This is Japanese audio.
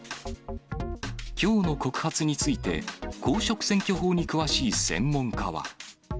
きょうの告発について、公職選挙法に詳しい専門家は。